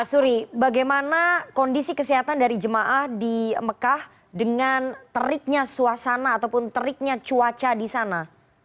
suri bagaimana kondisi kesehatan dari jemaah di mekah dengan teriknya suasana ataupun teriknya cuaca di sana